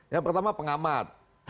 yang pertama pengamat